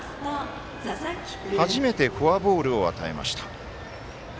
初めてフォアボールを与えました。